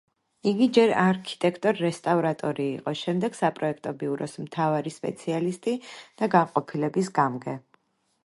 იგი ჯერ არქიტექტორ-რესტავრატორი იყო, შემდეგ საპროექტო ბიუროს მთავარი სპეციალისტი და განყოფილების გამგე.